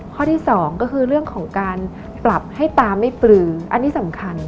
ข้อที่สองก็คือเรื่องของการปรับให้ตาไม่ปลืออันนี้สำคัญ